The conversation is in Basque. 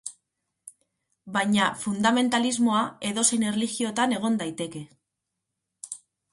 Baina fundamentalismoa edozein erlijiotan egon daiteke.